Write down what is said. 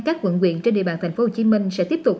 các quận quyện trên địa bàn tp hcm sẽ tiếp tục